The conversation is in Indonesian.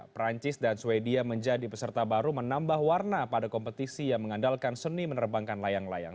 perancis dan swedia menjadi peserta baru menambah warna pada kompetisi yang mengandalkan seni menerbangkan layang layang